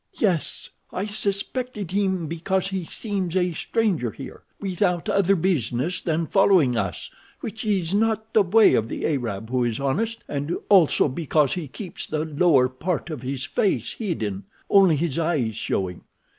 "Yes. I suspected him because he seems a stranger here, without other business than following us, which is not the way of the Arab who is honest, and also because he keeps the lower part of his face hidden, only his eyes showing.